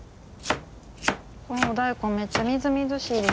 このお大根めっちゃみずみずしいです。